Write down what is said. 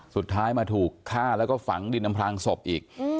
สุดท้ายมาถูกฆ่าแล้วก็ฝังดินอำพลางศพอีก